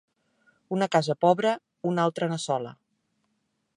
Una casa pobra una altra n'assola.